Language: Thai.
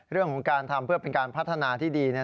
เรื่องของการทำเพื่อเป็นการพัฒนาที่ดี